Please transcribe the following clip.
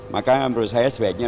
maka menurut saya sebaiknya